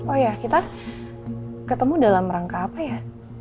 oh ya kita ketemu dalam rangka apa ya